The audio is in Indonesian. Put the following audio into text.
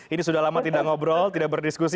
ini sudah lama tidak ngobrol tidak berdiskusi